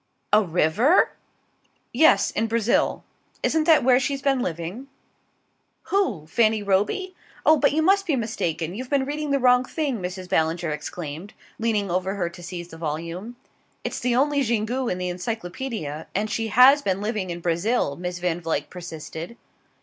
"A river?" "Yes: in Brazil. Isn't that where she's been living?" "Who? Fanny Roby? Oh, but you must be mistaken. You've been reading the wrong thing," Mrs. Ballinger exclaimed, leaning over her to seize the volume. "It's the only Xingu in the Encyclopaedia; and she has been living in Brazil," Miss Van Vluyck persisted.